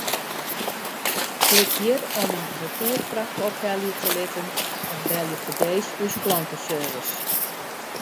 Klik hjir om in retoerfracht ophelje te litten of belje fergees ús klanteservice.